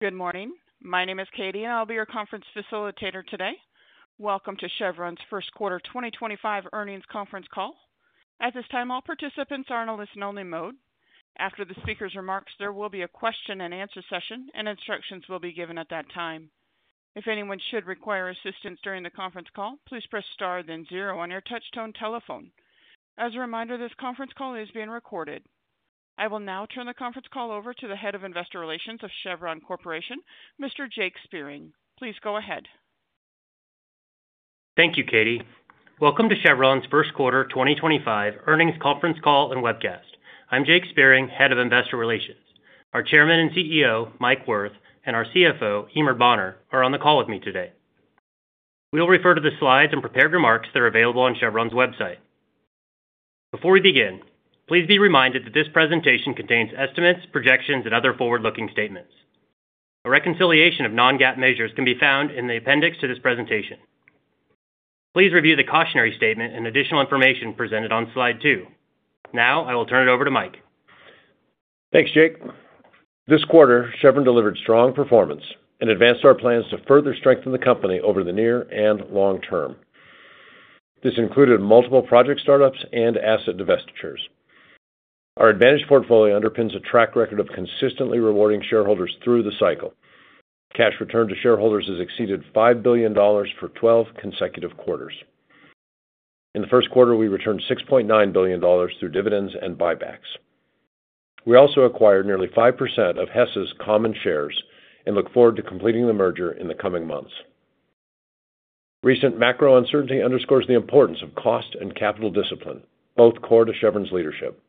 Good morning. My name is Katie, and I'll be your conference facilitator today. Welcome to Chevron's first quarter 2025 earnings conference call. At this time, all participants are in a listen-only mode. After the speaker's remarks, there will be a question-and-answer session, and instructions will be given at that time. If anyone should require assistance during the conference call, please press star then zero on your touch-tone telephone. As a reminder, this conference call is being recorded. I will now turn the conference call over to the Head of Investor Relations of Chevron Corporation, Mr. Jake Spiering. Please go ahead. Thank you, Katie. Welcome to Chevron's first quarter 2025 earnings conference call and webcast. I'm Jake Spiering, head of investor relations. Our Chairman and CEO, Mike Wirth, and our CFO, Eimear Bonner, are on the call with me today. We'll refer to the slides and prepared remarks that are available on Chevron's website. Before we begin, please be reminded that this presentation contains estimates, projections, and other forward-looking statements. A reconciliation of non-GAAP measures can be found in the appendix to this presentation. Please review the cautionary statement and additional information presented on slide two. Now, I will turn it over to Mike. Thanks, Jake. This quarter, Chevron delivered strong performance and advanced our plans to further strengthen the company over the near and long term. This included multiple project startups and asset divestitures. Our advantage portfolio underpins a track record of consistently rewarding shareholders through the cycle. Cash returned to shareholders has exceeded $5 billion for 12 consecutive quarters. In the first quarter, we returned $6.9 billion through dividends and buybacks. We also acquired nearly 5% of Hess's common shares and look forward to completing the merger in the coming months. Recent macro uncertainty underscores the importance of cost and capital discipline, both core to Chevron's leadership.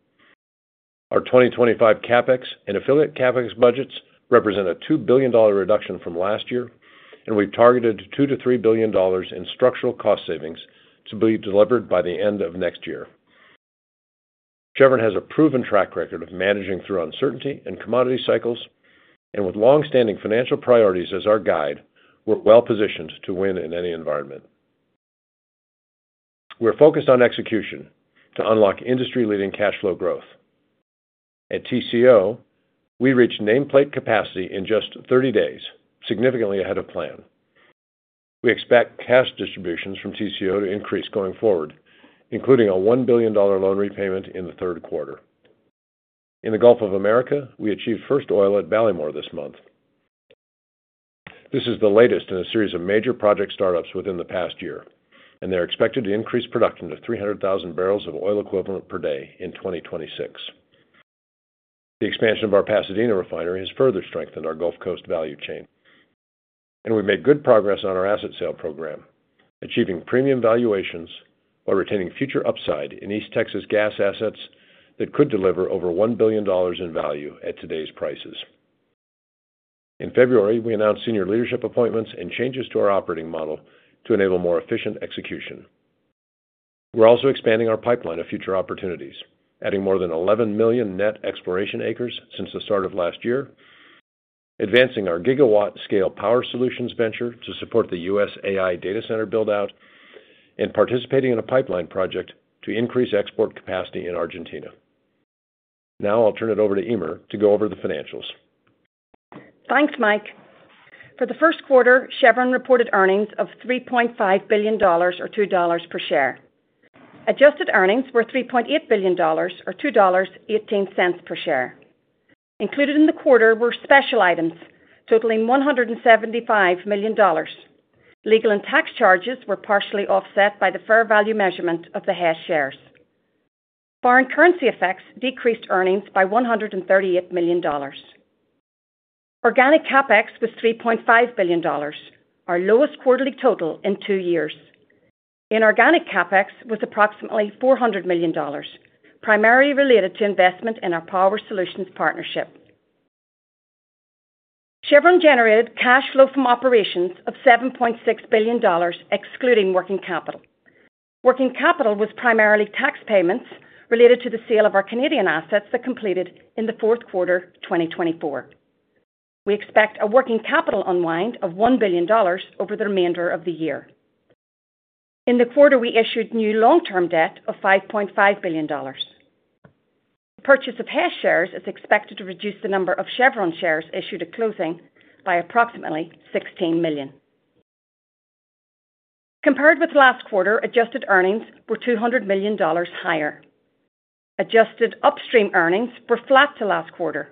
Our 2025 CapEx and affiliate CapEx budgets represent a $2 billion reduction from last year, and we've targeted $2 billion-$3 billion in structural cost savings to be delivered by the end of next year. Chevron has a proven track record of managing through uncertainty and commodity cycles, and with long-standing financial priorities as our guide, we're well-positioned to win in any environment. We're focused on execution to unlock industry-leading cash flow growth. At TCO, we reached nameplate capacity in just 30 days, significantly ahead of plan. We expect cash distributions from TCO to increase going forward, including a $1 billion loan repayment in the third quarter. In the Gulf of America, we achieved first oil at Ballymore this month. This is the latest in a series of major project startups within the past year, and they're expected to increase production to 300,000 barrels of oil equivalent per day in 2026. The expansion of our Pasadena refinery has further strengthened our Gulf Coast value chain, and we've made good progress on our asset sale program, achieving premium valuations while retaining future upside in East Texas gas assets that could deliver over $1 billion in value at today's prices. In February, we announced senior leadership appointments and changes to our operating model to enable more efficient execution. We're also expanding our pipeline of future opportunities, adding more than 11 million net exploration acres since the start of last year, advancing our gigawatt-scale power solutions venture to support the U.S. AI data center build-out, and participating in a pipeline project to increase export capacity in Argentina. Now, I'll turn it over to Eimear to go over the financials. Thanks, Mike. For the first quarter, Chevron reported earnings of $3.5 billion, or $2 per share. Adjusted earnings were $3.8 billion, or $2.18 per share. Included in the quarter were special items totaling $175 million. Legal and tax charges were partially offset by the fair value measurement of the Hess shares. Foreign currency effects decreased earnings by $138 million. Organic CapEx was $3.5 billion, our lowest quarterly total in two years. Inorganic CapEx was approximately $400 million, primarily related to investment in our power solutions partnership. Chevron generated cash flow from operations of $7.6 billion, excluding working capital. Working capital was primarily tax payments related to the sale of our Canadian assets that completed in the fourth quarter 2024. We expect a working capital unwind of $1 billion over the remainder of the year. In the quarter, we issued new long-term debt of $5.5 billion. The purchase of Hess shares is expected to reduce the number of Chevron shares issued at closing by approximately $16 million. Compared with last quarter, adjusted earnings were $200 million higher. Adjusted upstream earnings were flat to last quarter.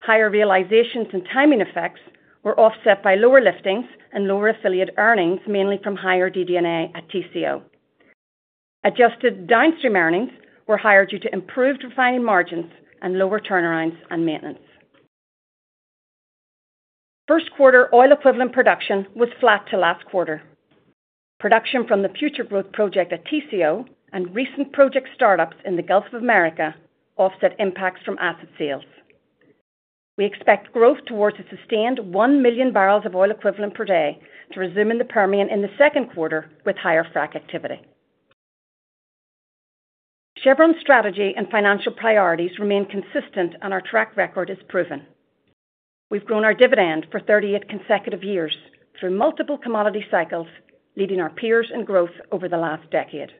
Higher realizations and timing effects were offset by lower liftings and lower affiliate earnings, mainly from higher DD&A at TCO. Adjusted downstream earnings were higher due to improved refining margins and lower turnarounds and maintenance. First quarter oil equivalent production was flat to last quarter. Production from the future growth project at TCO and recent project startups in the Gulf of America offset impacts from asset sales. We expect growth towards a sustained 1 million barrels of oil equivalent per day to resume in the Permian in the second quarter with higher frac activity. Chevron's strategy and financial priorities remain consistent, and our track record is proven. We've grown our dividend for 38 consecutive years through multiple commodity cycles, leading our peers in growth over the last decade.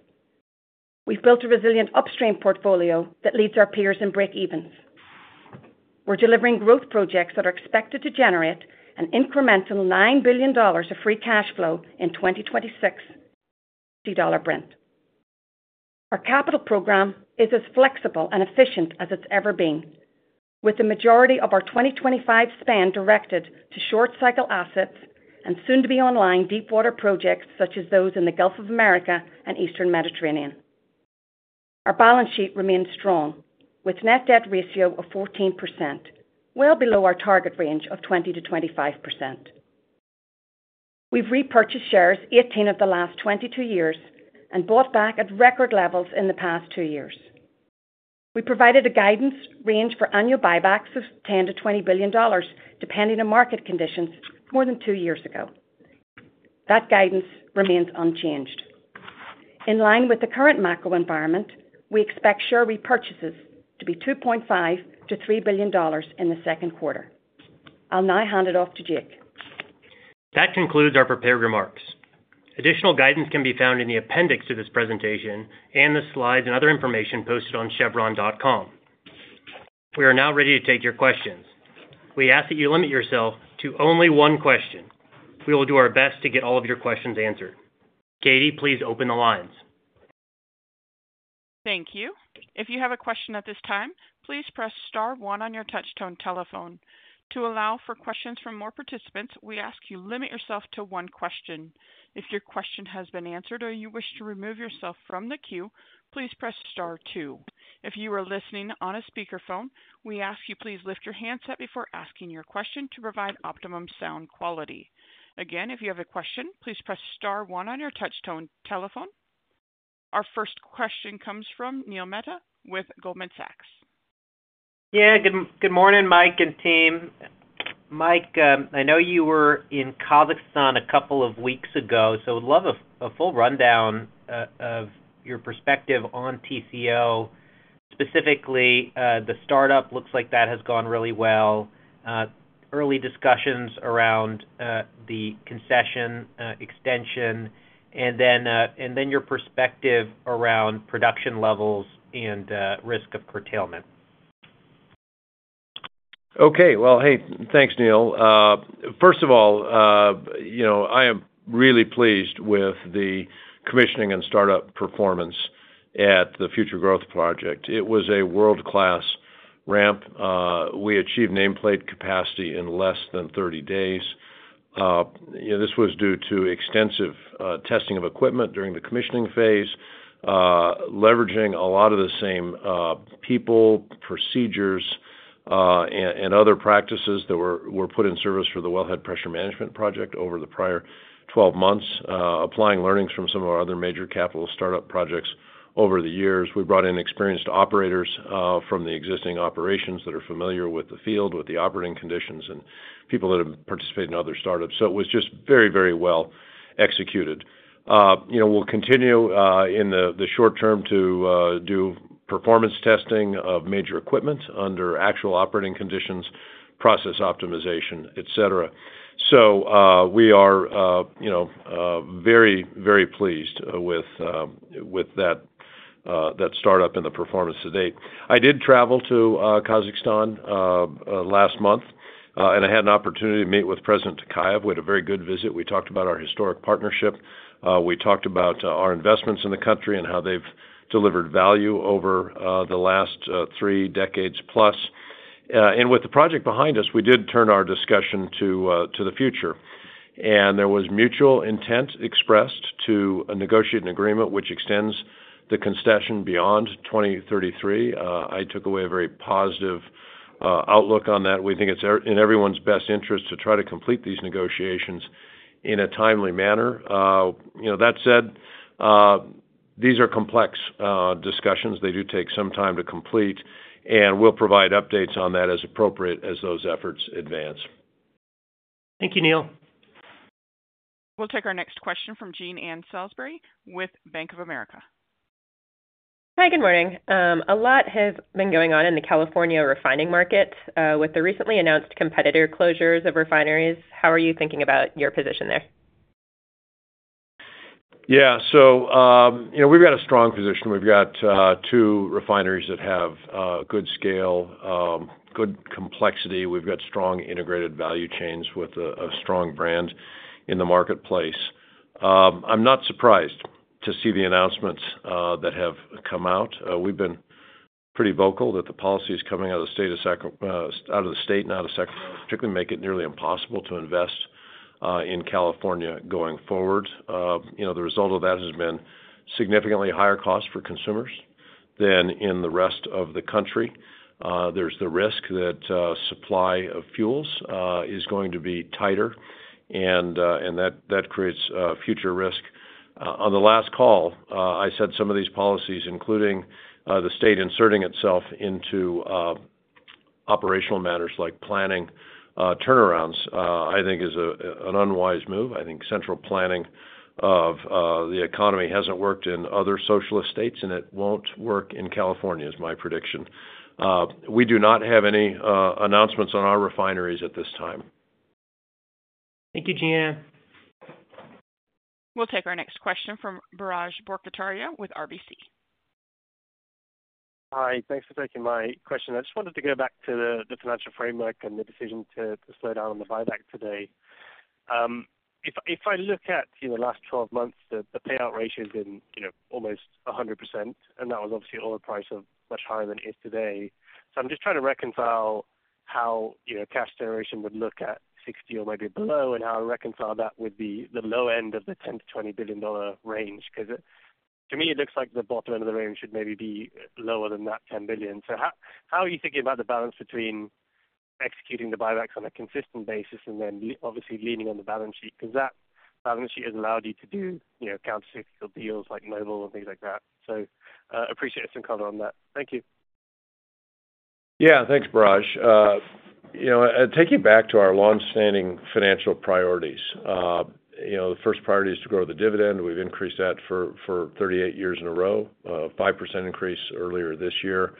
We've built a resilient upstream portfolio that leads our peers in break-evens. We're delivering growth projects that are expected to generate an incremental $9 billion of free cash flow in 2026. Our capital program is as flexible and efficient as it's ever been, with the majority of our 2025 spend directed to short-cycle assets and soon-to-be-online deep-water projects such as those in the Gulf of America and Eastern Mediterranean. Our balance sheet remains strong, with a net debt ratio of 14%, well below our target range of 20%-25%. We've repurchased shares, 18 of the last 22 years, and bought back at record levels in the past two years. We provided a guidance range for annual buybacks of $10 billion-$20 billion, depending on market conditions, more than two years ago. That guidance remains unchanged. In line with the current macro environment, we expect share repurchases to be $2.5 billion-$3 billion in the second quarter. I'll now hand it off to Jake. That concludes our prepared remarks. Additional guidance can be found in the appendix to this presentation and the slides and other information posted on chevron.com. We are now ready to take your questions. We ask that you limit yourself to only one question. We will do our best to get all of your questions answered. Katie, please open the lines. Thank you. If you have a question at this time, please press star one on your touch-tone telephone. To allow for questions from more participants, we ask you limit yourself to one question. If your question has been answered or you wish to remove yourself from the queue, please press star two. If you are listening on a speakerphone, we ask you please lift your hands up before asking your question to provide optimum sound quality. Again, if you have a question, please press star one on your touch-tone telephone. Our first question comes from Neel Mehta with Goldman Sachs. Yeah, good morning, Mike and team. Mike, I know you were in Kazakhstan a couple of weeks ago, so I would love a full rundown of your perspective on TCO, specifically the startup. Looks like that has gone really well. Early discussions around the concession extension and then your perspective around production levels and risk of curtailment. Okay. Hey, thanks, Neel. First of all, I am really pleased with the commissioning and startup performance at the Future Growth Project. It was a world-class ramp. We achieved nameplate capacity in less than 30 days. This was due to extensive testing of equipment during the commissioning phase, leveraging a lot of the same people, procedures, and other practices that were put in service for the Wellhead Pressure Management Project over the prior 12 months, applying learnings from some of our other major capital startup projects over the years. We brought in experienced operators from the existing operations that are familiar with the field, with the operating conditions, and people that have participated in other startups. It was just very, very well executed. We'll continue in the short term to do performance testing of major equipment under actual operating conditions, process optimization, etc. We are very, very pleased with that startup and the performance to date. I did travel to Kazakhstan last month, and I had an opportunity to meet with President Tokayev. We had a very good visit. We talked about our historic partnership. We talked about our investments in the country and how they've delivered value over the last three decades plus. With the project behind us, we did turn our discussion to the future, and there was mutual intent expressed to negotiate an agreement which extends the concession beyond 2033. I took away a very positive outlook on that. We think it's in everyone's best interest to try to complete these negotiations in a timely manner. That said, these are complex discussions. They do take some time to complete, and we'll provide updates on that as appropriate as those efforts advance. Thank you, Neel. We'll take our next question from Jean Ann Salisbury with Bank of America. Hi, good morning. A lot has been going on in the California refining market with the recently announced competitor closures of refineries. How are you thinking about your position there? Yeah, so we've got a strong position. We've got two refineries that have good scale, good complexity. We've got strong integrated value chains with a strong brand in the marketplace. I'm not surprised to see the announcements that have come out. We've been pretty vocal that the policy is coming out of the state and out of Sacramento, particularly making it nearly impossible to invest in California going forward. The result of that has been significantly higher costs for consumers than in the rest of the country. There's the risk that supply of fuels is going to be tighter, and that creates future risk. On the last call, I said some of these policies, including the state inserting itself into operational matters like planning turnarounds, I think is an unwise move. I think central planning of the economy hasn't worked in other socialist states, and it won't work in California is my prediction. We do not have any announcements on our refineries at this time. Thank you, Jean Ann. We'll take our next question from Biraj Borkhataria with RBC. Hi, thanks for taking my question. I just wanted to go back to the financial framework and the decision to slow down on the buyback today. If I look at the last 12 months, the payout ratio has been almost 100%, and that was obviously at a price much higher than it is today. I am just trying to reconcile how cash generation would look at 60 or maybe below and how to reconcile that with the low end of the $10 billion-$20 billion range. Because to me, it looks like the bottom end of the range should maybe be lower than that $10 billion. How are you thinking about the balance between executing the buybacks on a consistent basis and then obviously leaning on the balance sheet? That balance sheet has allowed you to do countercyclical deals like Noble and things like that. Appreciate some color on that. Thank you. Yeah, thanks, Biraj. Taking it back to our long-standing financial priorities, the first priority is to grow the dividend. We've increased that for 38 years in a row, a 5% increase earlier this year.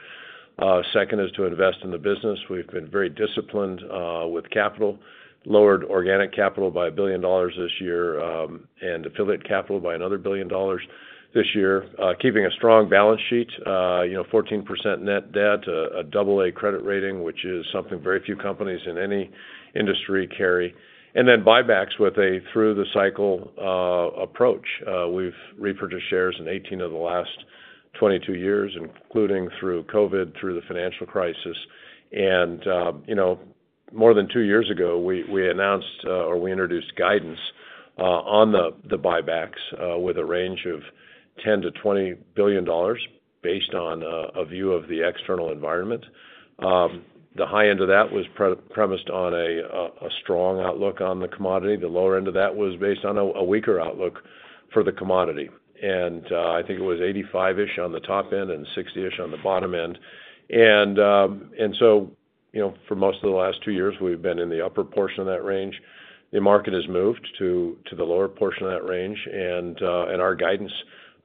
Second is to invest in the business. We've been very disciplined with capital, lowered organic capital by $1 billion this year and affiliate capital by another $1 billion this year, keeping a strong balance sheet, 14% net debt, a double-A credit rating, which is something very few companies in any industry carry. Buybacks with a through-the-cycle approach. We've repurchased shares in 18 of the last 22 years, including through COVID, through the financial crisis. More than two years ago, we announced or we introduced guidance on the buybacks with a range of $10 billion-$20 billion based on a view of the external environment. The high end of that was premised on a strong outlook on the commodity. The lower end of that was based on a weaker outlook for the commodity. I think it was $85-ish on the top end and $60-ish on the bottom end. For most of the last two years, we've been in the upper portion of that range. The market has moved to the lower portion of that range, and our guidance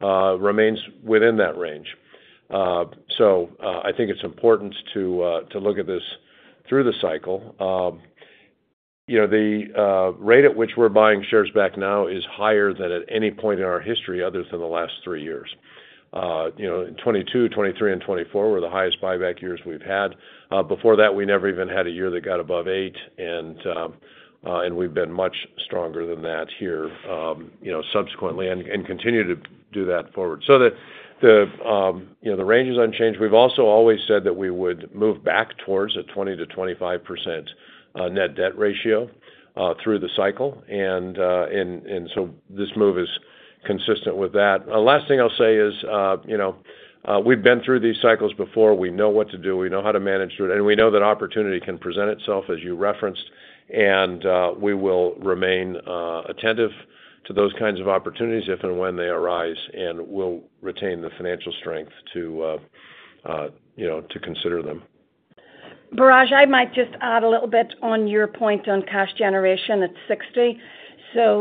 remains within that range. I think it's important to look at this through the cycle. The rate at which we're buying shares back now is higher than at any point in our history other than the last three years. In 2022, 2023, and 2024 were the highest buyback years we've had. Before that, we never even had a year that got above eight, and we've been much stronger than that here subsequently and continue to do that forward. The range is unchanged. We've also always said that we would move back towards a 20%-25% net debt ratio through the cycle. This move is consistent with that. Last thing I'll say is we've been through these cycles before. We know what to do. We know how to manage through it. We know that opportunity can present itself, as you referenced. We will remain attentive to those kinds of opportunities if and when they arise, and we'll retain the financial strength to consider them. Biraj, I might just add a little bit on your point on cash generation at 60.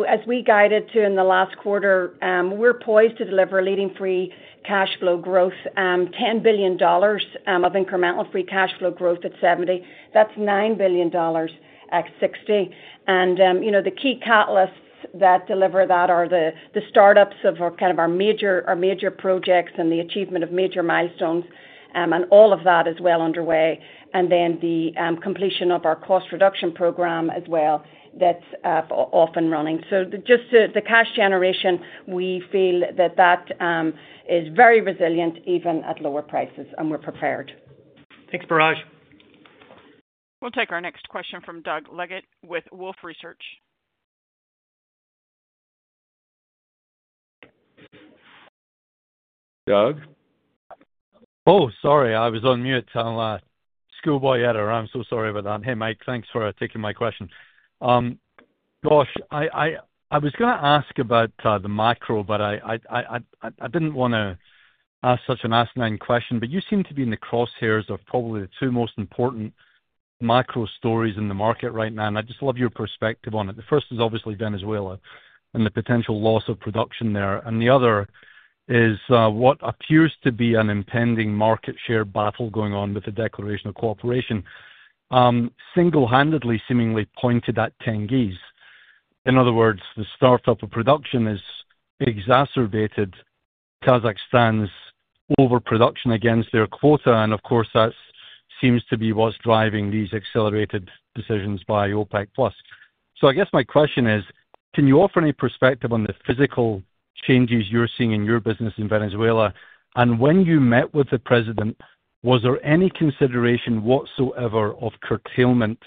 As we guided to in the last quarter, we're poised to deliver leading free cash flow growth, $10 billion of incremental free cash flow growth at 70. That's $9 billion at 60. The key catalysts that deliver that are the startups of kind of our major projects and the achievement of major milestones, and all of that is well underway. The completion of our cost reduction program as well is off and running. Just the cash generation, we feel that that is very resilient even at lower prices, and we're prepared. Thanks, Biraj. We'll take our next question from Doug Leggate with Wolfe Research. Doug? Oh, sorry. I was on mute. Schoolboy error. I'm so sorry about that. Hey, Mike, thanks for taking my question. Gosh, I was going to ask about the macro, but I didn't want to ask such an asinine question. You seem to be in the crosshairs of probably the two most important macro stories in the market right now. I just love your perspective on it. The first is obviously Venezuela and the potential loss of production there. The other is what appears to be an impending market share battle going on with the declaration of cooperation, single-handedly seemingly pointed at Tengiz. In other words, the startup of production has exacerbated Kazakhstan's overproduction against their quota. That seems to be what's driving these accelerated decisions by OPEC+. I guess my question is, can you offer any perspective on the physical changes you're seeing in your business in Venezuela? And when you met with the president, was there any consideration whatsoever of curtailment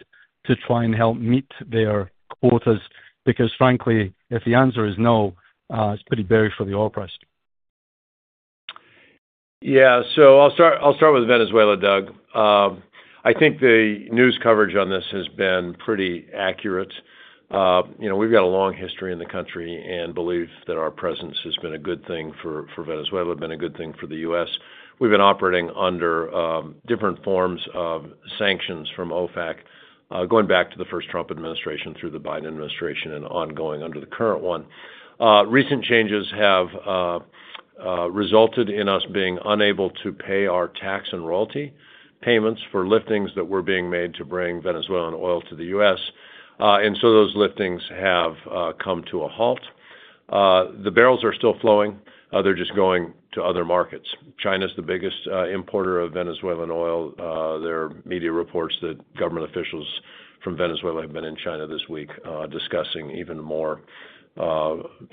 to try and help meet their quotas? Because frankly, if the answer is no, it's pretty buried for the oppressed. Yeah, I'll start with Venezuela, Doug. I think the news coverage on this has been pretty accurate. We've got a long history in the country and believe that our presence has been a good thing for Venezuela, been a good thing for the U.S. We've been operating under different forms of sanctions from OPEC, going back to the first Trump administration through the Biden administration and ongoing under the current one. Recent changes have resulted in us being unable to pay our tax and royalty payments for liftings that were being made to bring Venezuelan oil to the U.S. Those liftings have come to a halt. The barrels are still flowing. They're just going to other markets. China is the biggest importer of Venezuelan oil. There are media reports that government officials from Venezuela have been in China this week discussing even more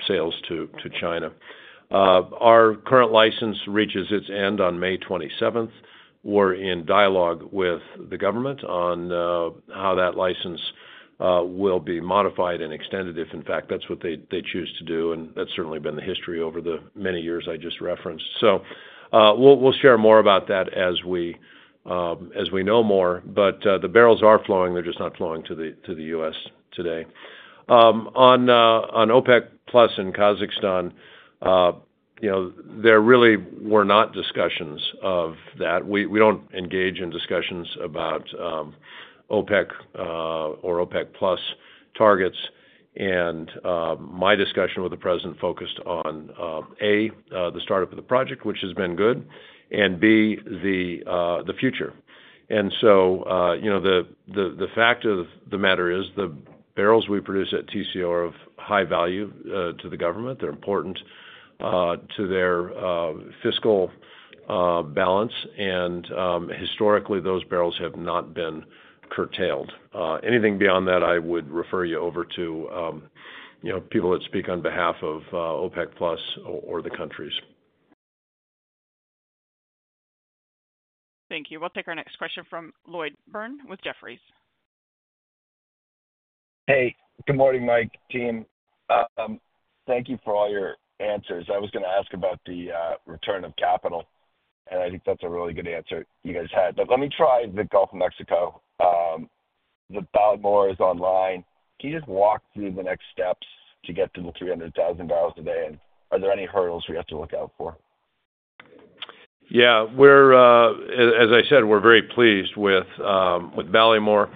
sales to China. Our current license reaches its end on May 27th. We're in dialogue with the government on how that license will be modified and extended if, in fact, that's what they choose to do. That has certainly been the history over the many years I just referenced. We'll share more about that as we know more. The barrels are flowing. They're just not flowing to the U.S. today. On OPEC+ in Kazakhstan, there really were not discussions of that. We don't engage in discussions about OPEC or OPEC+ targets. My discussion with the president focused on, A, the startup of the project, which has been good, and B, the future. The fact of the matter is the barrels we produce at TCO are of high value to the government. They're important to their fiscal balance. Historically, those barrels have not been curtailed. Anything beyond that, I would refer you over to people that speak on behalf of OPEC++ or the countries. Thank you. We'll take our next question from Lloyd Byrne with Jefferies. Hey, good morning, Mike, Jean. Thank you for all your answers. I was going to ask about the return of capital. I think that's a really good answer you guys had. Let me try the Gulf of Mexico. The Ballymore is online. Can you just walk through the next steps to get to the $300,000 a day? Are there any hurdles we have to look out for? Yeah, as I said, we're very pleased with Ballymore.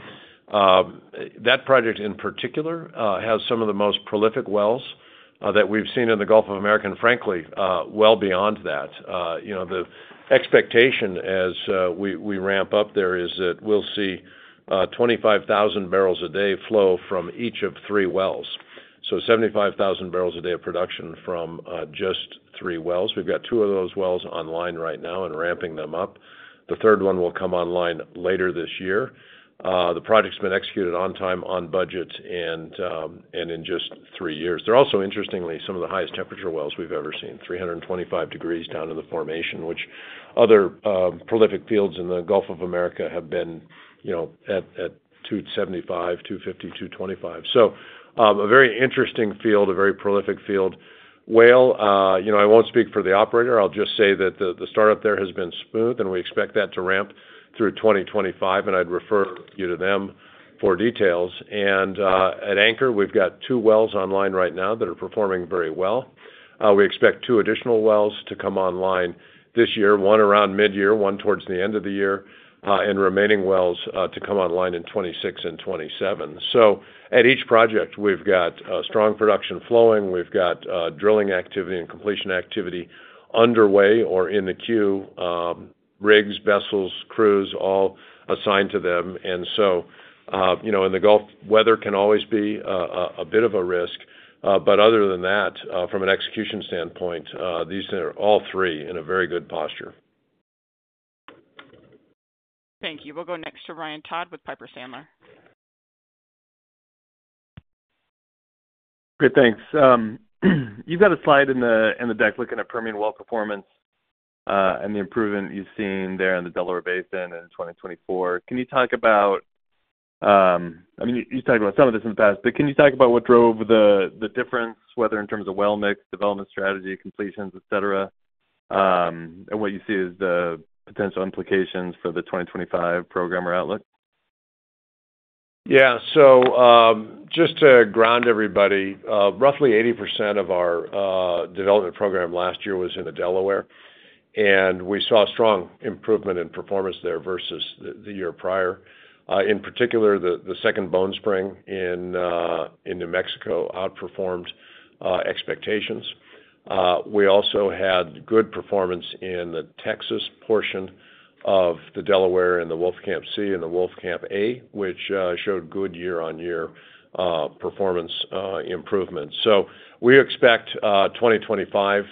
That project in particular has some of the most prolific wells that we've seen in the Gulf of America and frankly, well beyond that. The expectation as we ramp up there is that we'll see 25,000 barrels a day flow from each of three wells. So 75,000 barrels a day of production from just three wells. We've got two of those wells online right now and ramping them up. The third one will come online later this year. The project's been executed on time, on budget, and in just three years. They're also interestingly some of the highest temperature wells we've ever seen, 325 degrees down in the formation, which other prolific fields in the Gulf of America have been at 275, 250, 225. A very interesting field, a very prolific field. Whale, I won't speak for the operator. I'll just say that the startup there has been smooth, and we expect that to ramp through 2025. I'd refer you to them for details. At Anchor, we've got two wells online right now that are performing very well. We expect two additional wells to come online this year, one around mid-year, one towards the end of the year, and remaining wells to come online in 2026 and 2027. At each project, we've got strong production flowing. We've got drilling activity and completion activity underway or in the queue, rigs, vessels, crews, all assigned to them. In the Gulf, weather can always be a bit of a risk. Other than that, from an execution standpoint, these are all three in a very good posture. Thank you. We'll go next to Ryan Todd with Piper Sandler. Great, thanks. You've got a slide in the deck looking at Permian well performance and the improvement you've seen there in the Delaware Basin in 2024. Can you talk about, I mean, you've talked about some of this in the past, but can you talk about what drove the difference, whether in terms of well mix, development strategy, completions, etc., and what you see as the potential implications for the 2025 program or outlook? Yeah, just to ground everybody, roughly 80% of our development program last year was in the Delaware. We saw strong improvement in performance there versus the year prior. In particular, the second Bone Spring in New Mexico outperformed expectations. We also had good performance in the Texas portion of the Delaware and the Wolfcamp C and the Wolfcamp A, which showed good year-on-year performance improvement. We expect 2025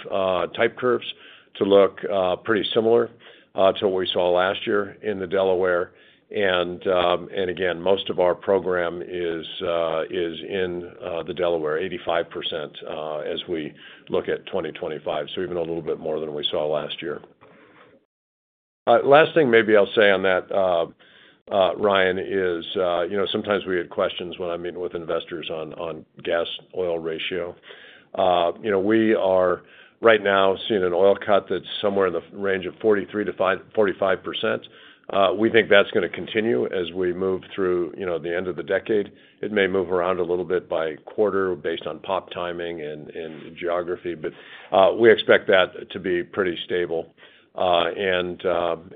type curves to look pretty similar to what we saw last year in the Delaware. Again, most of our program is in the Delaware, 85% as we look at 2025, so even a little bit more than we saw last year. Last thing maybe I'll say on that, Ryan, is sometimes we had questions when I meet with investors on gas oil ratio. We are right now seeing an oil cut that's somewhere in the range of 43%-45%. We think that's going to continue as we move through the end of the decade. It may move around a little bit by quarter based on pop timing and geography. We expect that to be pretty stable. Also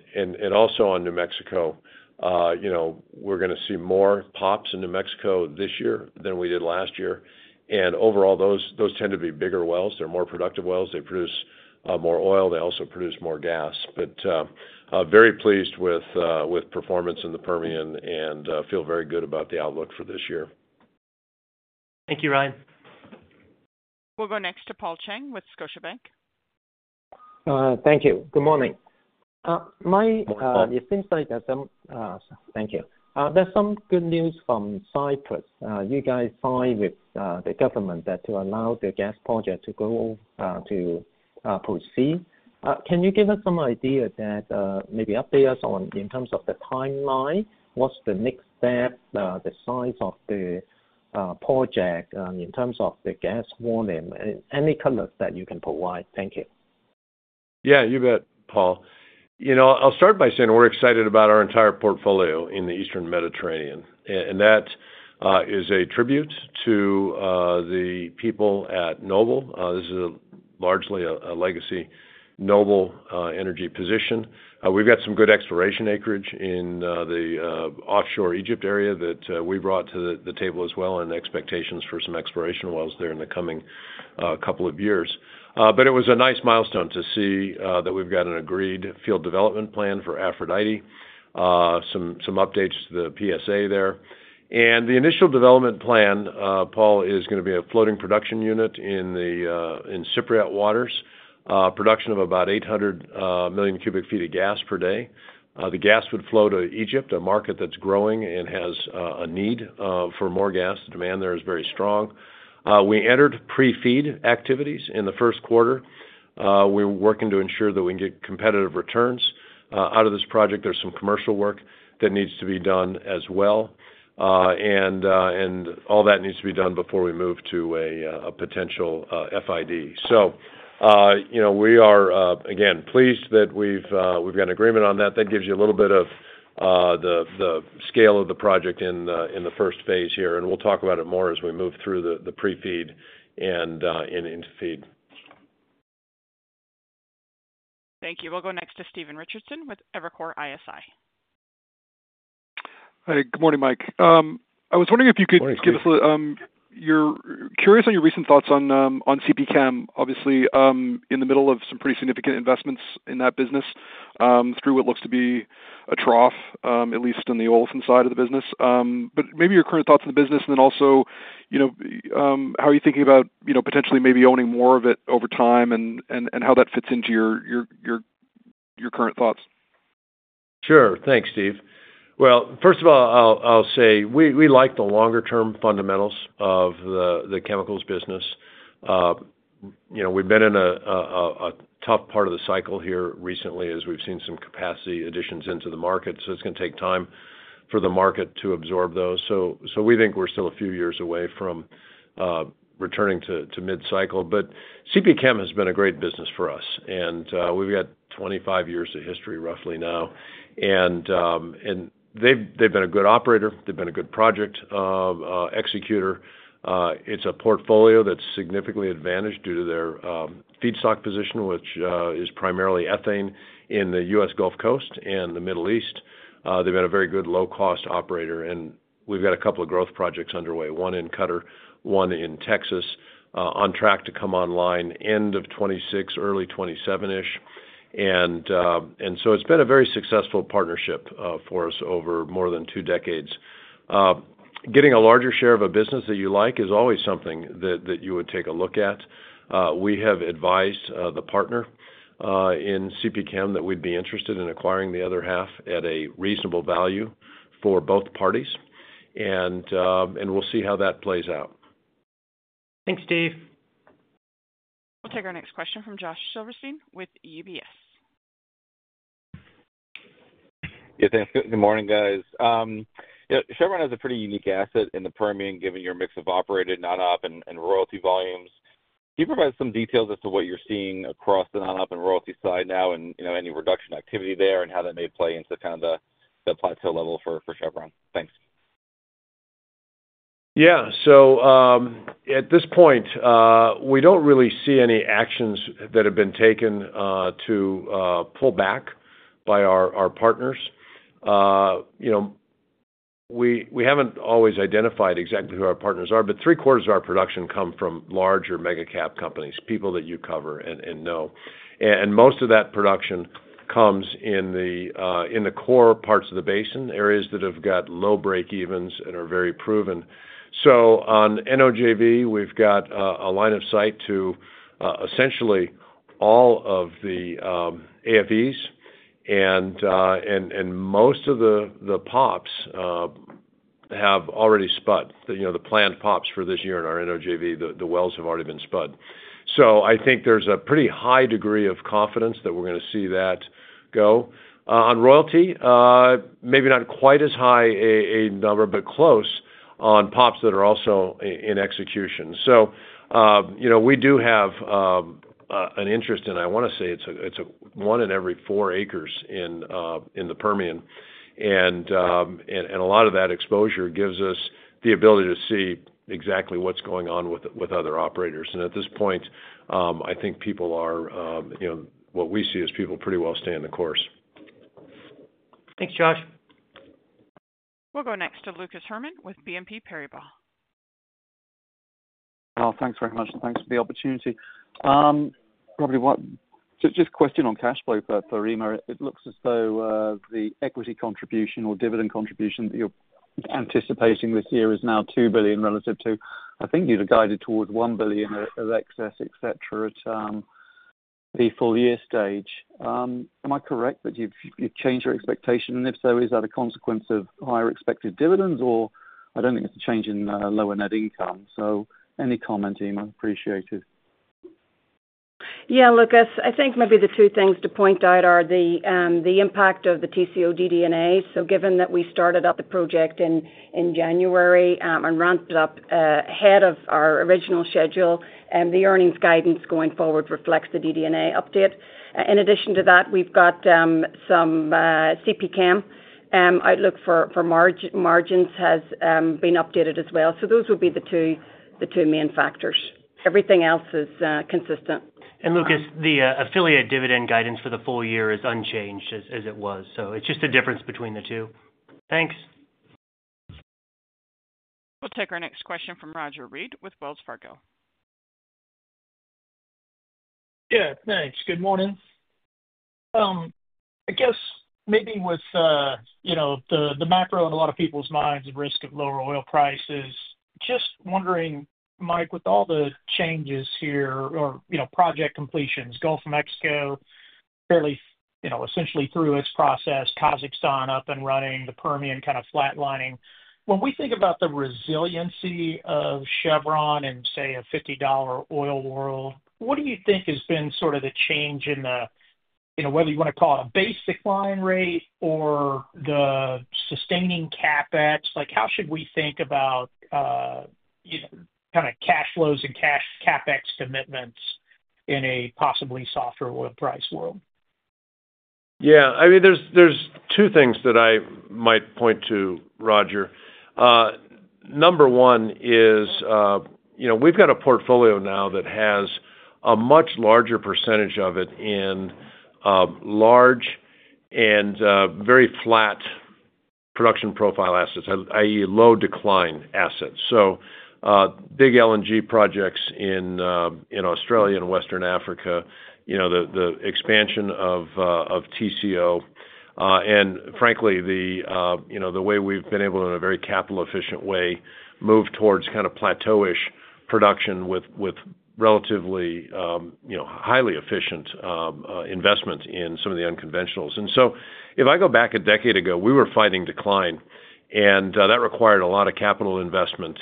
on New Mexico, we're going to see more pops in New Mexico this year than we did last year. Overall, those tend to be bigger wells. They're more productive wells. They produce more oil. They also produce more gas. Very pleased with performance in the Permian and feel very good about the outlook for this year. Thank you, Ryan. We'll go next to Paul Cheng with Scotiabank. Thank you. Good morning. It seems like there's some good news from Cyprus. You guys signed with the government to allow the gas project to proceed. Can you give us some idea, maybe update us on in terms of the timeline, what's the next step, the size of the project in terms of the gas volume, any colors that you can provide? Thank you. Yeah, you bet, Paul. I'll start by saying we're excited about our entire portfolio in the Eastern Mediterranean. That is a tribute to the people at Noble. This is largely a legacy Noble Energy position. We've got some good exploration acreage in the offshore Egypt area that we brought to the table as well and expectations for some exploration wells there in the coming couple of years. It was a nice milestone to see that we've got an agreed field development plan for Aphrodite, some updates to the PSA there. The initial development plan, Paul, is going to be a floating production unit in Cypriot waters, production of about 800 million cubic feet of gas per day. The gas would flow to Egypt, a market that's growing and has a need for more gas. The demand there is very strong. We entered pre-feed activities in the first quarter. We're working to ensure that we can get competitive returns out of this project. There's some commercial work that needs to be done as well. All that needs to be done before we move to a potential FID. We are, again, pleased that we've got an agreement on that. That gives you a little bit of the scale of the project in the first phase here. We'll talk about it more as we move through the pre-feed and into feed. Thank you. We'll go next to Stephen Richardson with Evercore ISI. Hi, good morning, Mike. I was wondering if you could give us a—you're curious on your recent thoughts on CPChem, obviously, in the middle of some pretty significant investments in that business through what looks to be a trough, at least on the oil sands side of the business. Maybe your current thoughts on the business and then also how are you thinking about potentially maybe owning more of it over time and how that fits into your current thoughts? Sure. Thanks, Steve. First of all, I'll say we like the longer-term fundamentals of the chemicals business. We've been in a tough part of the cycle here recently as we've seen some capacity additions into the market. It's going to take time for the market to absorb those. We think we're still a few years away from returning to mid-cycle. CPChem has been a great business for us. We've got 25 years of history roughly now. They've been a good operator. They've been a good project executor. It's a portfolio that's significantly advantaged due to their feedstock position, which is primarily ethane in the U.S. Gulf Coast and the Middle East. They've been a very good low-cost operator. We've got a couple of growth projects underway, one in Qatar, one in Texas, on track to come online end of 2026, early 2027-ish. It has been a very successful partnership for us over more than two decades. Getting a larger share of a business that you like is always something that you would take a look at. We have advised the partner in CPChem that we'd be interested in acquiring the other half at a reasonable value for both parties. We will see how that plays out. Thanks, Steve. We'll take our next question from Josh Silverstein with UBS. Yeah, thanks. Good morning, guys. Chevron has a pretty unique asset in the Permian, given your mix of operated, non-op, and royalty volumes. Can you provide some details as to what you're seeing across the non-op and royalty side now and any reduction activity there and how that may play into kind of the plateau level for Chevron? Thanks. Yeah. At this point, we do not really see any actions that have been taken to pull back by our partners. We have not always identified exactly who our partners are, but three quarters of our production come from larger mega-cap companies, people that you cover and know. Most of that production comes in the core parts of the basin, areas that have got low break-evens and are very proven. On NOJV, we have got a line of sight to essentially all of the AFEs. Most of the pops have already spud, the planned pops for this year in our NOJV, the wells have already been spud. I think there is a pretty high degree of confidence that we are going to see that go. On royalty, maybe not quite as high a number, but close on pops that are also in execution. We do have an interest in, I want to say it's one in every four acres in the Permian. A lot of that exposure gives us the ability to see exactly what's going on with other operators. At this point, I think what we see is people pretty well staying the course. Thanks, Josh. We'll go next to Lucas Herrmann with BNP Paribas. Thanks very much. Thanks for the opportunity. Just a question on cash flow for REIM. It looks as though the equity contribution or dividend contribution that you're anticipating this year is now $2 billion relative to, I think you'd have guided towards $1 billion of excess, etc., at the full year stage. Am I correct that you've changed your expectation? If so, is that a consequence of higher expected dividends or I don't think it's a change in lower net income? Any comment, I appreciate it. Yeah, Lucas, I think maybe the two things to point out are the impact of the TCO DD&A. Given that we started up the project in January and ramped up ahead of our original schedule, the earnings guidance going forward reflects the DD&A update. In addition to that, we've got some CPChem outlook for margins has been updated as well. Those would be the two main factors. Everything else is consistent. Lucas, the affiliate dividend guidance for the full year is unchanged as it was. It is just a difference between the two. Thanks. We'll take our next question from Roger Read with Wells Fargo. Yeah, thanks. Good morning. I guess maybe with the macro in a lot of people's minds, the risk of lower oil prices. Just wondering, Mike, with all the changes here or project completions, Gulf of Mexico essentially through its process, Kazakhstan up and running, the Permian kind of flatlining. When we think about the resiliency of Chevron and say a $50 oil world, what do you think has been sort of the change in the whether you want to call it a basic line rate or the sustaining CapEx? How should we think about kind of cash flows and CapEx commitments in a possibly softer oil price world? Yeah. I mean, there are two things that I might point to, Roger. Number one is we have got a portfolio now that has a much larger percentage of it in large and very flat production profile assets, i.e., low decline assets. Big LNG projects in Australia and Western Africa, the expansion of TCO. Frankly, the way we have been able to, in a very capital-efficient way, move towards kind of plateau-ish production with relatively highly efficient investments in some of the unconventionals. If I go back a decade ago, we were fighting decline. That required a lot of capital investment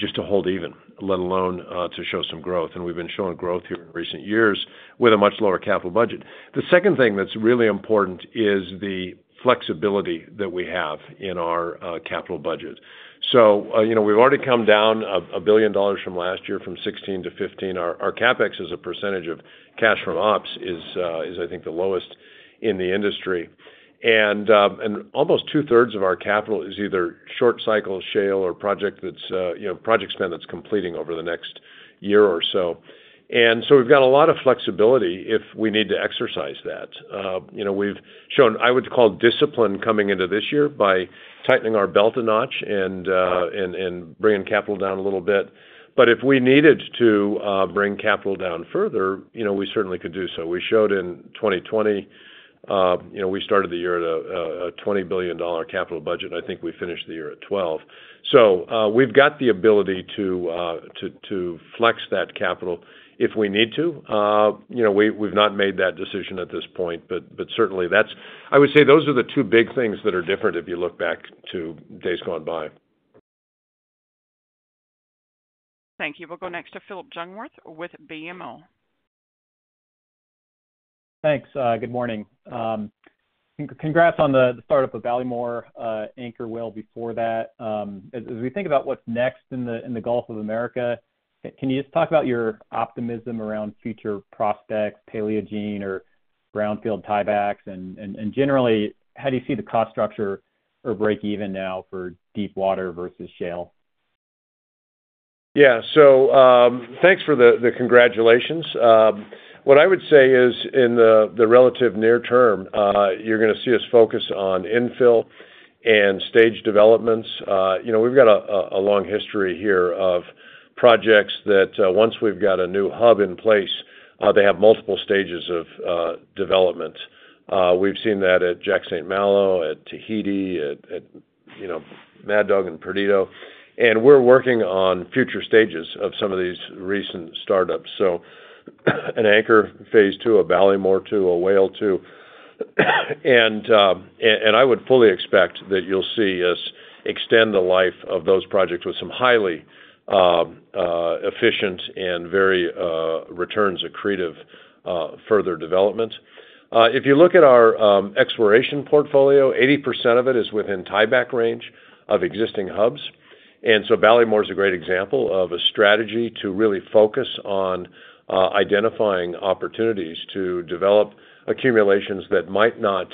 just to hold even, let alone to show some growth. We have been showing growth here in recent years with a much lower capital budget. The second thing that is really important is the flexibility that we have in our capital budget. We have already come down a billion dollars from last year from $16 billion to $15 billion. Our CapEx as a percentage of cash from ops is, I think, the lowest in the industry. Almost 2/3 of our capital is either short-cycle shale or project spend that is completing over the next year or so. We have a lot of flexibility if we need to exercise that. We have shown, I would call, discipline coming into this year by tightening our belt a notch and bringing capital down a little bit. If we needed to bring capital down further, we certainly could do so. We showed in 2020, we started the year at a $20 billion capital budget, and I think we finished the year at $12 billion. We have the ability to flex that capital if we need to. We've not made that decision at this point, but certainly, I would say those are the two big things that are different if you look back to days gone by. Thank you. We'll go next to Phillip Jungwirth with BMO. Thanks. Good morning. Congrats on the startup of Anchor. Well before that, as we think about what's next in the Gulf of America, can you just talk about your optimism around future prospects, Paleogene or brownfield tie-backs? And generally, how do you see the cost structure or break-even now for deep water versus shale? Yeah. Thanks for the congratulations. What I would say is in the relative near term, you're going to see us focus on infill and stage developments. We've got a long history here of projects that once we've got a new hub in place, they have multiple stages of development. We've seen that at Jack St. Malo, at Tahiti, at Mad Dog and Perdido. We're working on future stages of some of these recent startups. An Anchor phase II, a Ballymore II, a Whale II. I would fully expect that you'll see us extend the life of those projects with some highly efficient and very returns-accretive further developments. If you look at our exploration portfolio, 80% of it is within tie-back range of existing hubs. Ballymore is a great example of a strategy to really focus on identifying opportunities to develop accumulations that might not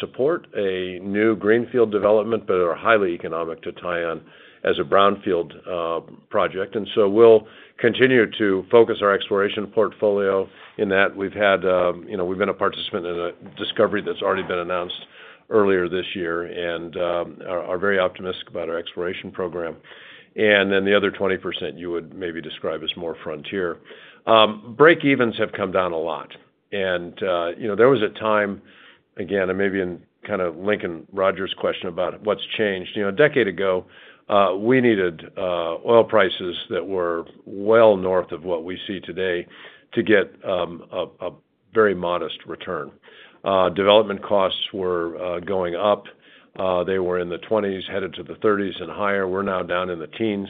support a new greenfield development, but are highly economic to tie on as a brownfield project. We will continue to focus our exploration portfolio in that. We have been a participant in a discovery that has already been announced earlier this year and are very optimistic about our exploration program. The other 20% you would maybe describe as more frontier. Break-evens have come down a lot. There was a time, again, and maybe in kind of Lincoln Rogers' question about what has changed. A decade ago, we needed oil prices that were well north of what we see today to get a very modest return. Development costs were going up. They were in the 20s, headed to the 30s and higher. We're now down in the teens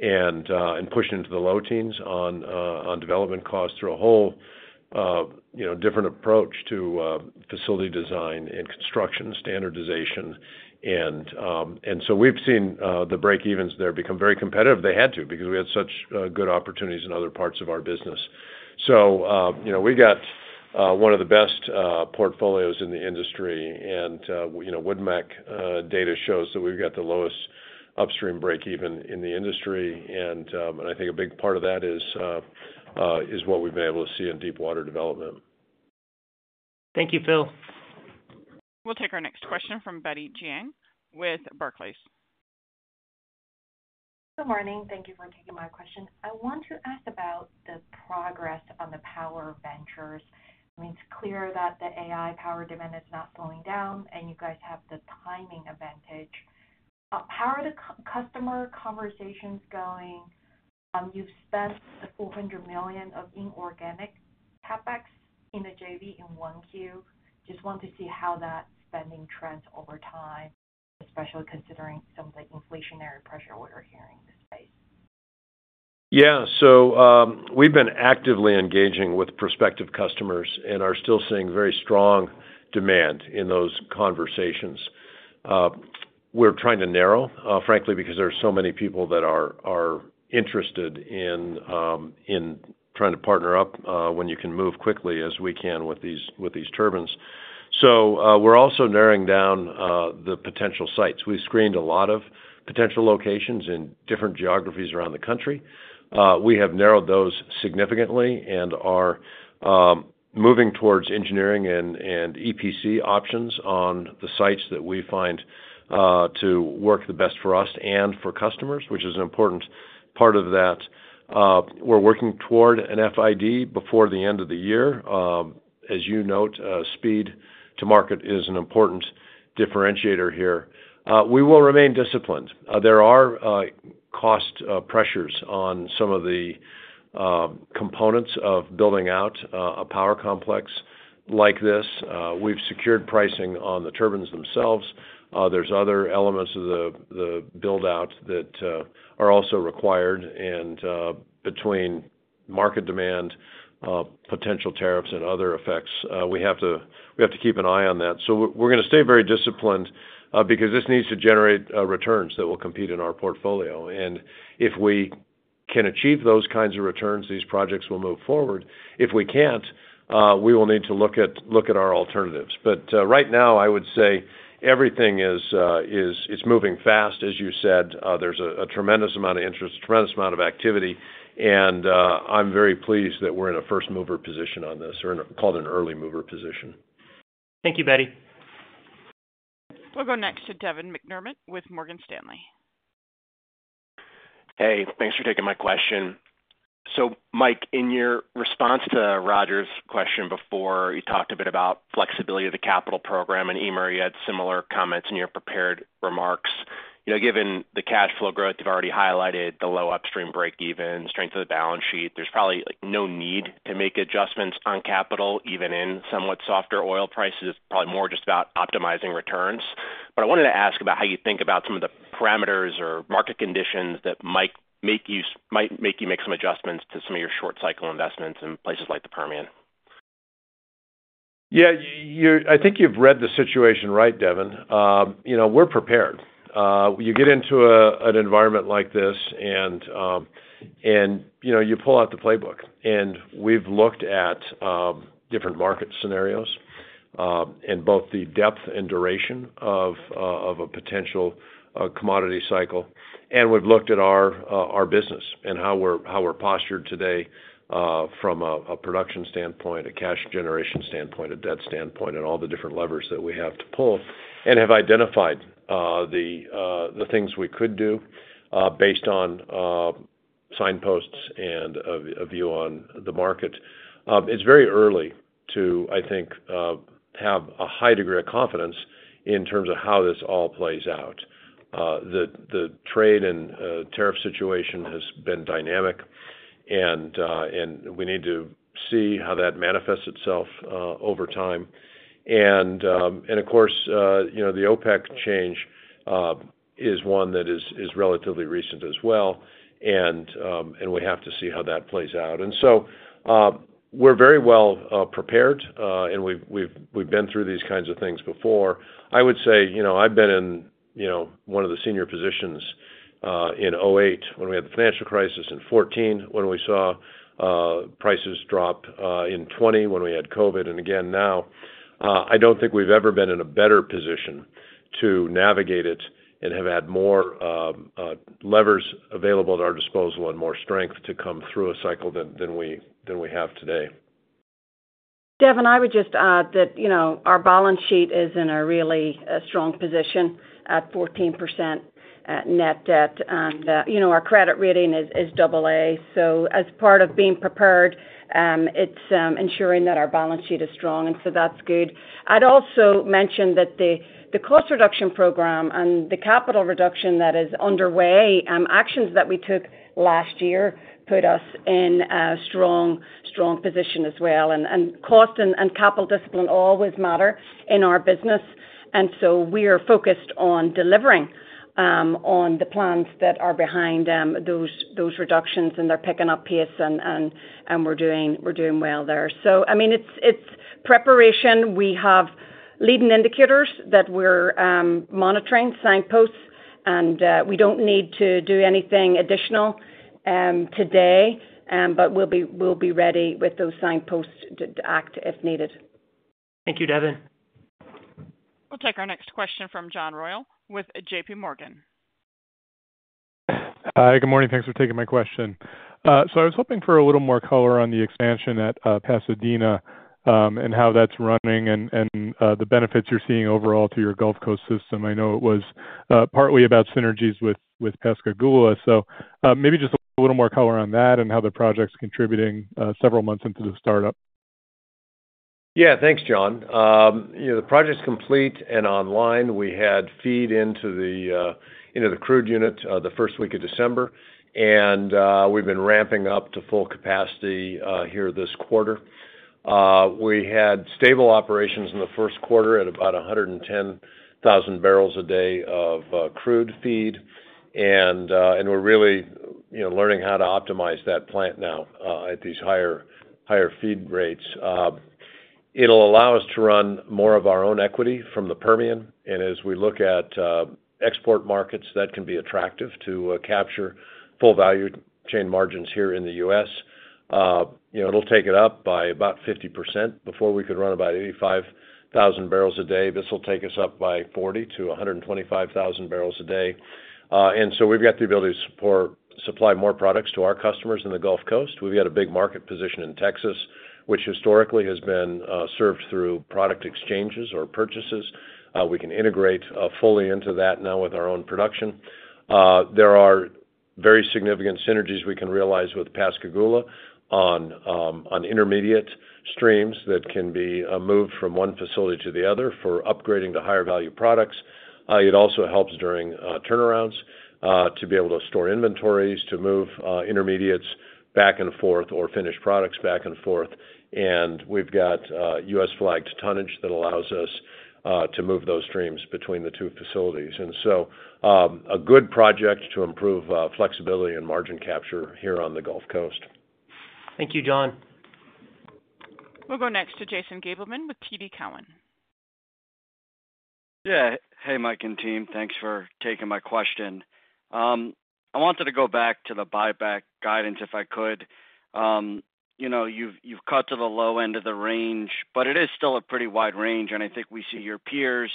and pushing into the low teens on development costs through a whole different approach to facility design and construction standardization. We've seen the break-evens there become very competitive. They had to because we had such good opportunities in other parts of our business. We got one of the best portfolios in the industry. WoodMac data shows that we've got the lowest upstream break-even in the industry. I think a big part of that is what we've been able to see in deep water development. Thank you, Phil. We'll take our next question from Betty Jiang with Barclays. Good morning. Thank you for taking my question. I want to ask about the progress on the power ventures. I mean, it's clear that the AI power demand is not slowing down, and you guys have the timing advantage. How are the customer conversations going? You've spent the $400 million of inorganic CapEx in the JV in 1Q. Just want to see how that spending trends over time, especially considering some of the inflationary pressure we're hearing in this space. Yeah. We have been actively engaging with prospective customers and are still seeing very strong demand in those conversations. We are trying to narrow, frankly, because there are so many people that are interested in trying to partner up when you can move quickly as we can with these turbines. We are also narrowing down the potential sites. We screened a lot of potential locations in different geographies around the country. We have narrowed those significantly and are moving towards engineering and EPC options on the sites that we find to work the best for us and for customers, which is an important part of that. We are working toward an FID before the end of the year. As you note, speed to market is an important differentiator here. We will remain disciplined. There are cost pressures on some of the components of building out a power complex like this. We've secured pricing on the turbines themselves. There are other elements of the build-out that are also required. Between market demand, potential tariffs, and other effects, we have to keep an eye on that. We are going to stay very disciplined because this needs to generate returns that will compete in our portfolio. If we can achieve those kinds of returns, these projects will move forward. If we cannot, we will need to look at our alternatives. Right now, I would say everything is moving fast. As you said, there is a tremendous amount of interest, a tremendous amount of activity. I am very pleased that we are in a first-mover position on this, or call it an early-mover position. Thank you, Betty. We'll go next to Devin McDermott with Morgan Stanley. Hey, thanks for taking my question. Mike, in your response to Roger's question before, you talked a bit about flexibility of the capital program. Eimear, you had similar comments in your prepared remarks. Given the cash flow growth, you've already highlighted the low upstream break-even, strength of the balance sheet. There's probably no need to make adjustments on capital, even in somewhat softer oil prices. It's probably more just about optimizing returns. I wanted to ask about how you think about some of the parameters or market conditions that might make you make some adjustments to some of your short-cycle investments in places like the Permian. Yeah. I think you've read the situation right, Devin. We're prepared. You get into an environment like this and you pull out the playbook. We've looked at different market scenarios and both the depth and duration of a potential commodity cycle. We've looked at our business and how we're postured today from a production standpoint, a cash generation standpoint, a debt standpoint, and all the different levers that we have to pull and have identified the things we could do based on signposts and a view on the market. It's very early to, I think, have a high degree of confidence in terms of how this all plays out. The trade and tariff situation has been dynamic, and we need to see how that manifests itself over time. The OPEC change is one that is relatively recent as well. We have to see how that plays out. We are very well prepared, and we have been through these kinds of things before. I would say I have been in one of the senior positions in 2008 when we had the financial crisis, in 2014 when we saw prices drop, in 2020 when we had COVID, and again now. I do not think we have ever been in a better position to navigate it and have had more levers available at our disposal and more strength to come through a cycle than we have today. Devin, I would just add that our balance sheet is in a really strong position at 14% net debt. Our credit rating is Double A. As part of being prepared, it's ensuring that our balance sheet is strong. That's good. I'd also mention that the cost reduction program and the capital reduction that is underway, actions that we took last year put us in a strong position as well. Cost and capital discipline always matter in our business. We are focused on delivering on the plans that are behind those reductions, and they're picking up pace, and we're doing well there. I mean, it's preparation. We have leading indicators that we're monitoring, signposts. We don't need to do anything additional today, but we'll be ready with those signposts to act if needed. Thank you, Devin. We'll take our next question from John Royall with JPMorgan. Hi, good morning. Thanks for taking my question. I was hoping for a little more color on the expansion at Pasadena and how that's running and the benefits you're seeing overall to your Gulf Coast system. I know it was partly about synergies with Pascagoula. Maybe just a little more color on that and how the project's contributing several months into the startup. Yeah. Thanks, John. The project's complete and online. We had feed into the crude unit the first week of December. We've been ramping up to full capacity here this quarter. We had stable operations in the first quarter at about 110,000 barrels a day of crude feed. We're really learning how to optimize that plant now at these higher feed rates. It'll allow us to run more of our own equity from the Permian. As we look at export markets, that can be attractive to capture full value chain margins here in the U.S. It'll take it up by about 50%. Before, we could run about 85,000 barrels a day; this will take us up by 40 to 125,000 barrels a day. We've got the ability to supply more products to our customers in the Gulf Coast. We've got a big market position in Texas, which historically has been served through product exchanges or purchases. We can integrate fully into that now with our own production. There are very significant synergies we can realize with Pascagoula on intermediate streams that can be moved from one facility to the other for upgrading to higher value products. It also helps during turnarounds to be able to store inventories, to move intermediates back and forth or finished products back and forth. We've got U.S.-flagged tonnage that allows us to move those streams between the two facilities. A good project to improve flexibility and margin capture here on the Gulf Coast. Thank you, John. We'll go next to Jason Gabelman with TD Cowen. Yeah. Hey, Mike and team. Thanks for taking my question. I wanted to go back to the buyback guidance if I could. You've cut to the low end of the range, but it is still a pretty wide range. I think we see your peers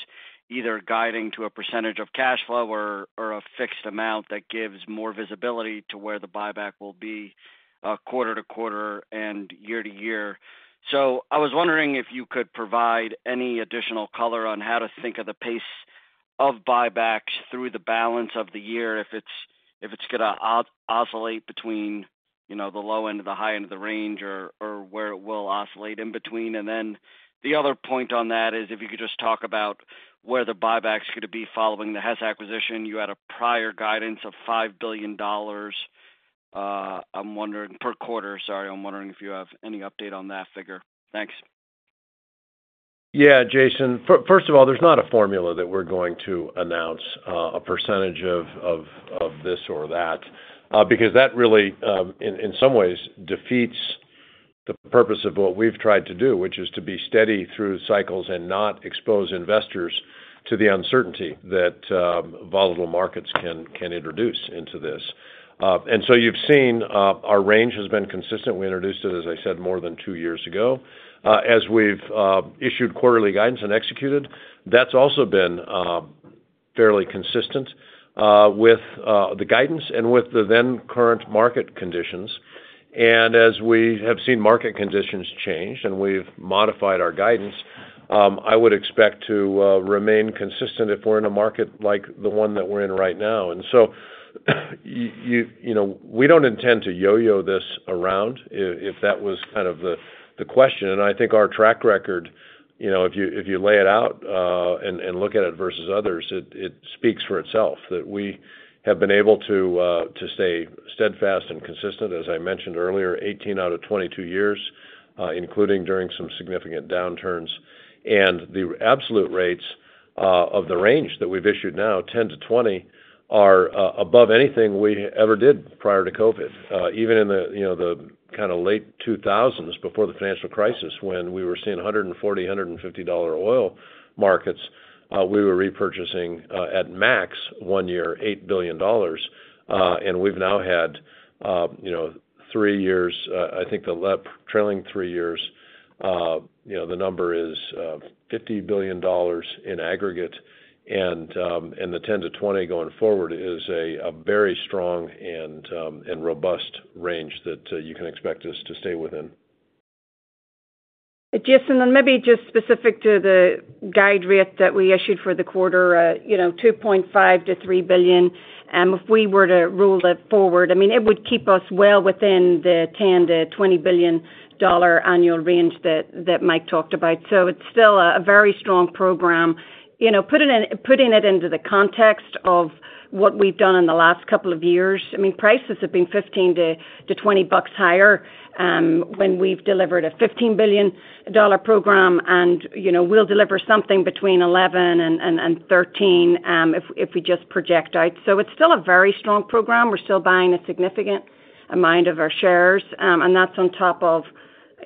either guiding to a percentage of cash flow or a fixed amount that gives more visibility to where the buyback will be quarter to quarter and year to year. I was wondering if you could provide any additional color on how to think of the pace of buybacks through the balance of the year, if it's going to oscillate between the low end and the high end of the range or where it will oscillate in between. The other point on that is if you could just talk about where the buyback's going to be following the Hess acquisition. You had a prior guidance of $5 billion per quarter. Sorry. I'm wondering if you have any update on that figure. Thanks. Yeah, Jason. First of all, there's not a formula that we're going to announce a percentage of this or that because that really, in some ways, defeats the purpose of what we've tried to do, which is to be steady through cycles and not expose investors to the uncertainty that volatile markets can introduce into this. You have seen our range has been consistent. We introduced it, as I said, more than two years ago. As we've issued quarterly guidance and executed, that's also been fairly consistent with the guidance and with the then current market conditions. As we have seen market conditions change and we've modified our guidance, I would expect to remain consistent if we're in a market like the one that we're in right now. We don't intend to yo-yo this around if that was kind of the question. I think our track record, if you lay it out and look at it versus others, it speaks for itself that we have been able to stay steadfast and consistent, as I mentioned earlier, 18 out of 22 years, including during some significant downturns. The absolute rates of the range that we've issued now, 10-20, are above anything we ever did prior to COVID. Even in the kind of late 2000s, before the financial crisis, when we were seeing $140, $150 oil markets, we were repurchasing at max one year, $8 billion. We've now had three years, I think the trailing three years, the number is $50 billion in aggregate. The 10-20 going forward is a very strong and robust range that you can expect us to stay within. Jason, and maybe just specific to the guide rate that we issued for the quarter, $2.5 billion-$3 billion, if we were to roll it forward, it would keep us well within the $10 billion-$20 billion annual range that Mike talked about. It is still a very strong program. Putting it into the context of what we have done in the last couple of years, I mean, prices have been $15-$20 higher when we have delivered a $15 billion program. We will deliver something between $11 billion and $13 billion if we just project out. It is still a very strong program. We are still buying a significant amount of our shares. That is on top of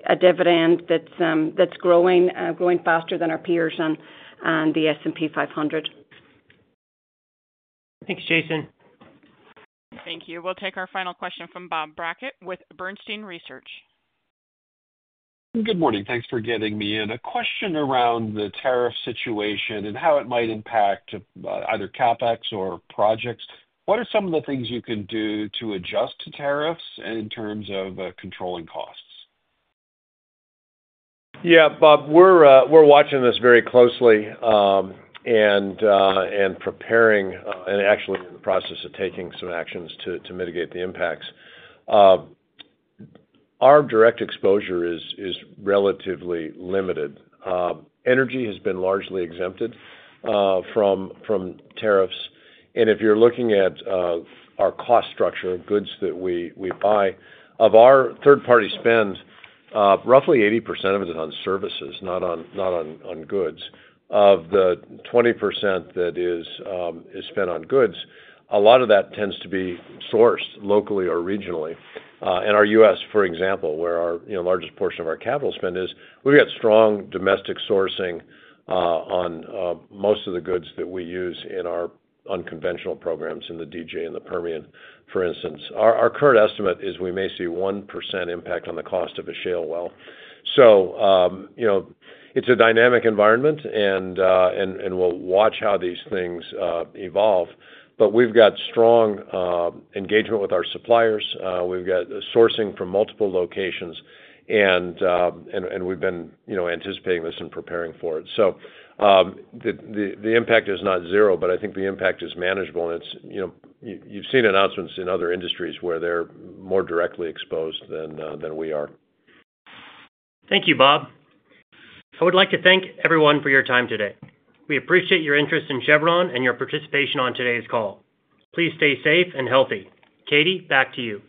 a dividend that is growing faster than our peers and the S&P 500. Thanks, Jason. Thank you. We'll take our final question from Bob Brackett with Bernstein Research. Good morning. Thanks for getting me in. A question around the tariff situation and how it might impact either CapEx or projects. What are some of the things you can do to adjust tariffs in terms of controlling costs? Yeah, Bob, we're watching this very closely and preparing and actually in the process of taking some actions to mitigate the impacts. Our direct exposure is relatively limited. Energy has been largely exempted from tariffs. If you're looking at our cost structure of goods that we buy, of our third-party spend, roughly 80% of it is on services, not on goods. Of the 20% that is spent on goods, a lot of that tends to be sourced locally or regionally. In our U.S., for example, where our largest portion of our capital spend is, we've got strong domestic sourcing on most of the goods that we use in our unconventional programs in the DJ and the Permian, for instance. Our current estimate is we may see 1% impact on the cost of a shale well. It's a dynamic environment, and we'll watch how these things evolve. We have strong engagement with our suppliers. We have sourcing from multiple locations, and we have been anticipating this and preparing for it. The impact is not zero, but I think the impact is manageable. You have seen announcements in other industries where they are more directly exposed than we are. Thank you, Bob. I would like to thank everyone for your time today. We appreciate your interest in Chevron and your participation on today's call. Please stay safe and healthy. Katie, back to you.